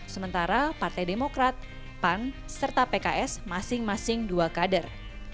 sementara partai demokrat pan serta pks masing masing dua kader